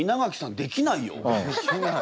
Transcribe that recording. できない。